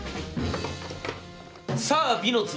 さあ「美の壺」